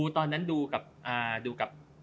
ตอนนั้นดูกับคุณนะ